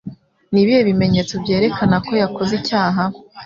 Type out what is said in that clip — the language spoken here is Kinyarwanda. Nibihe bimenyetso byerekana ko yakoze icyaha?